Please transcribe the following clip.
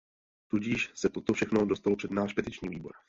Tudíž se toto všechno dostalo před náš Petiční výbor.